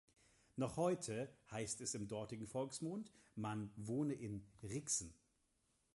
Noch heute heißt es im dortigen Volksmund, man wohne in Rixen.